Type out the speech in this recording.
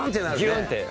ギューンって。